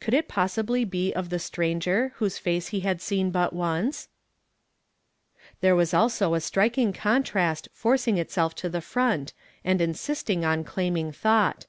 C'onld it possihly be of the stranger whose face he iiad seen but once ? There was also a striking contrast forcing itself to the front and insisting on elaiming thought.